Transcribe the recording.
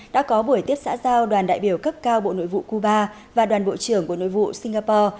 đã có buổi tiếp xã giao đoàn đại biểu cấp cao bộ nội vụ cuba và đoàn bộ trưởng của nội vụ singapore